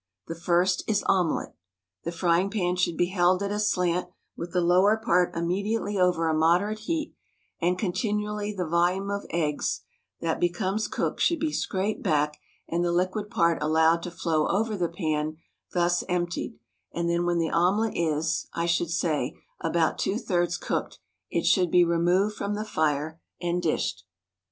The first is omelette: The frying pan should be held at a slant, with the lower part immediately over a mod erate heat, and continually the volume of eggs that be comes cooked should be scraped back and the liquid part allowed to flow over the pan thus emptied, and then when the omelette is, I should say, about two thirds cooked, it should be removed from the fire and dished.